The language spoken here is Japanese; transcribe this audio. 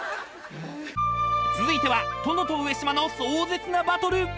［続いては殿と上島の壮絶なバトル！］